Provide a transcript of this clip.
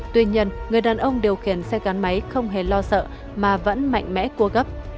tuy nhiên người đàn ông điều khiển xe gắn máy không hề lo sợ mà vẫn mạnh mẽ cua gấp